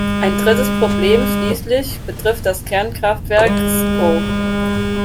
Ein drittes Problem schließlich betrifft das Kernkraftwerk Krsko.